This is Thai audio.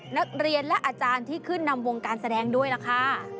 นักเรียนและอาจารย์ที่ขึ้นนำวงการแสดงด้วยล่ะค่ะ